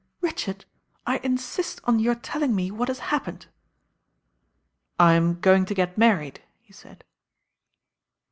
"Richard, I insist on your telling me what has happened." "I'm going to get married," he said.